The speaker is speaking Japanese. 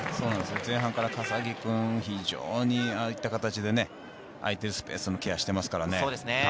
前半から笠置君、非常にああいった形で空いているスペースのケアをしていますからね。